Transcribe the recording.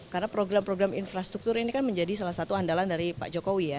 karena program program infrastruktur ini kan menjadi salah satu andalan dari pak jokowi ya